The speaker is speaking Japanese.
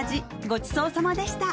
ごちそうさまでした